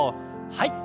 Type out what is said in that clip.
はい。